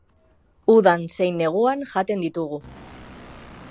Udan zein neguan jaten ditugu.